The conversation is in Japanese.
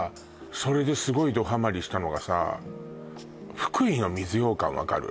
それですごいドハマりしたのがさ分かる？